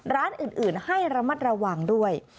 ร้านอื่นให้ระมัดระวังด้วย